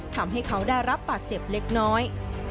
ทำให้เขาได้รับบาดเจ็บเล็กน้อย